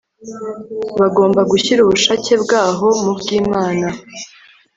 bagomba gushyira ubushake bwaho mu bwImana